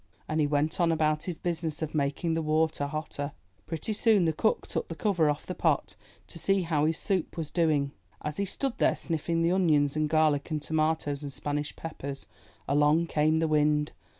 '' And he went on about his business of making the water hotter. Pretty soon the Cook took the cover off the pot, to see how his soup was doing. As he stood there, sniffing the onions and garlic and tomatoes and Spanish peppers, along came the wind.